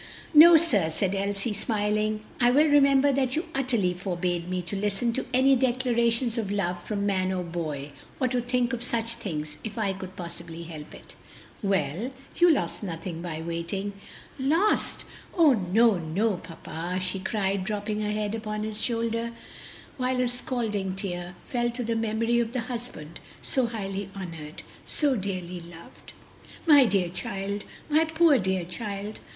"No, sir," said Elsie, smiling, "I well remember that you utterly forbade me to listen to any declarations of love from man or boy, or to think of such things if I could possibly help it." "Well, you lost nothing by waiting." "Lost! oh, no, no papa!" she cried, dropping her head upon his shoulder, while a scalding tear fell to the memory of the husband so highly honored, so dearly loved. "My dear child! my poor dear child!"